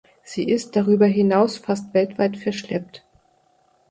Sie ist darüber hinaus fast weltweit verschleppt.